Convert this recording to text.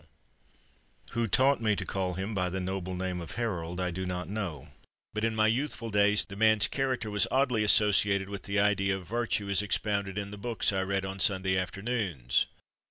HAROLE ;;; i J ttl Who taught me to call him by name of Harold I do not know, but in my youthful days the man's character was oddly associated with the idea of virtue as ex pounded in the books I read on Sunday afternoons.